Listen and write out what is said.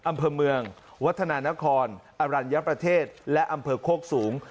อำเภอเมืองวัฒนานครอรัญญประเทศและอำเภอโคกสูง